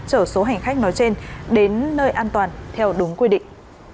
chở số hành khách nói trên đến nơi an toàn theo đúng quy định